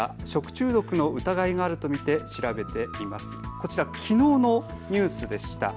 こちら、きのうのニュースでした。